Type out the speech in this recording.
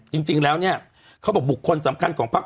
จริงแล้วเนี่ยเขาบอกบุคคลสำคัญของพัก